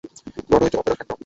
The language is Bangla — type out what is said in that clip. ব্রডওয়েতে অপেরা ফ্যান্টম।